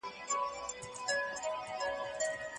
ښه فکر تاسو له بې ځایه غوسې ساتي.